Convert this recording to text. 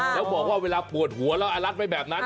แล้วบอกว่าเวลาปวดหัวแล้วอารัดไว้แบบนั้น